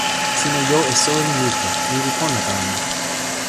sina jo e soweli mute. ni li pona tawa mi.